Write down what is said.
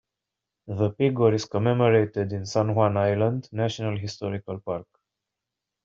The Pig War is commemorated in San Juan Island National Historical Park.